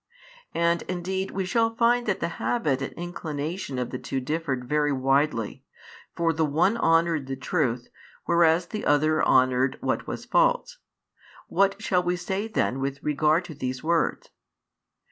And indeed we shall find that the habit and inclination of the two differed very widely; for the one honoured the truth, whereas the other honoured what was false. What shall we say then with regard to these words?